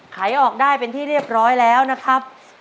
ขายออกได้เป็นที่เรียบร้อยแล้วนะครับ